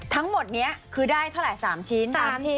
ทั้งหมดนี้คือได้เท่าไหร่๓ชิ้น๓ชิ้น